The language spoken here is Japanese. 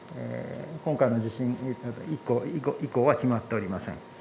今回の地震以降は決まっておりません。